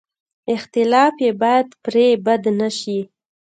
اختلاف یې باید پرې بد نه شي.